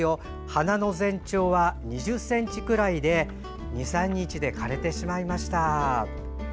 花の全長は２０ｃｍぐらいで２３日で枯れてしまいました。